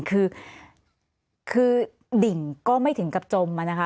คือดิ่งก็ไม่ถึงกับจมอะนะคะ